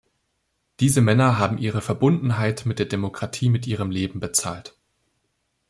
Diese Männer haben ihre Verbundenheit mit der Demokratie mit ihrem Leben bezahlt.